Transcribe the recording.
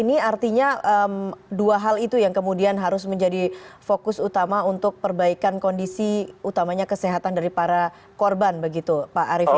ini artinya dua hal itu yang kemudian harus menjadi fokus utama untuk perbaikan kondisi utamanya kesehatan dari para korban begitu pak arief ya